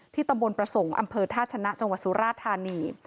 ที่ตำบลประสงค์อำเภอธาชนะจสุราธานี